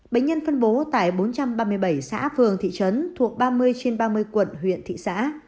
bệnh nhân phân bố tại bốn trăm ba mươi bảy xã phường thị trấn thuộc ba mươi trên ba mươi quận huyện thị xã